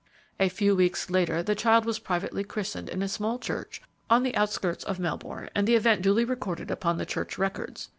"A few weeks later, the child was privately christened in a small church on the outskirts of Melbourne and the event duly recorded upon the church records.